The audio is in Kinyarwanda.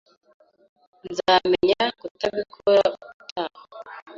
Nzamenya kutabikora ubutaha.